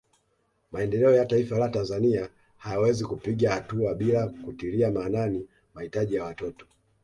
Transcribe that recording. Maendeleo ya Taifa la Tanzania hayawezi kupiga hatua bila kutilia maanani mahitaji ya watoto